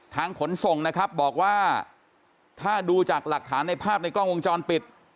ขนส่งนะครับบอกว่าถ้าดูจากหลักฐานในภาพในกล้องวงจรปิด